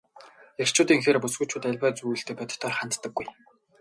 Эрчүүдийнхээр бүсгүйчүүд аливаа зүйлд бодитоор ханддаггүй.